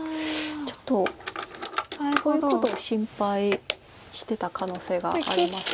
ちょっとこういうことを心配してた可能性があります。